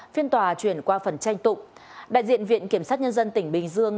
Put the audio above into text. phiên tòa chuyển qua phần tranh tụng đại diện viện kiểm sát nhân dân tỉnh bình dương